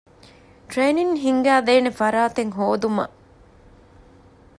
ޓްރެއިނިންގ ހިންގައިދޭނޭ ފަރާތެއް ހޯދުމަށް